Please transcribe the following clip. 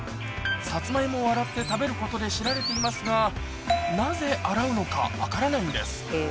サツマイモを洗って食べることで知られていますが、なぜ洗うのか分からないんです。